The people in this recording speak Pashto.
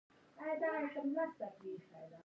دا باید هرومرو رانسکور شي.